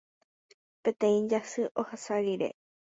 Peteĩ jasy ohasa rire.